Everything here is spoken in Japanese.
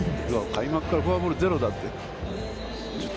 開幕からフォアボールゼロだって。